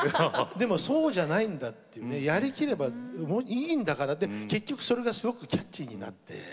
でも、そうじゃないんだってやりきればいいんだからって結局、それがすごくキャッチーになって。